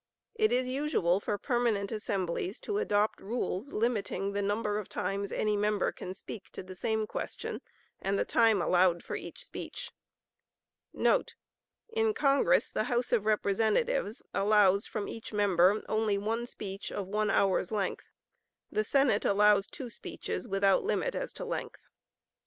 It is usual for permanent assemblies to adopt rules limiting the number of times any member can speak to the same question, and the time allowed for each speech;* [In Congress the House of Representatives allows from each member only one speech of one hour's length; the Senate allows two speeches without limit as to length.